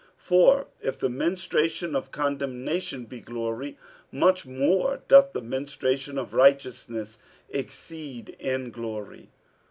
47:003:009 For if the ministration of condemnation be glory, much more doth the ministration of righteousness exceed in glory.